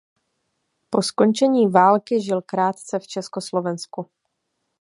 Po skončení války žil krátce v Československu.